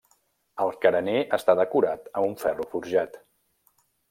El carener està decorat amb un ferro forjat.